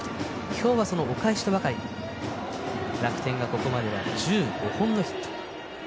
今日は、お返しとばかりに楽天がここまで１５本のヒット。